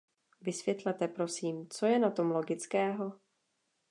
Vysvětlete prosím, co je na tom logického?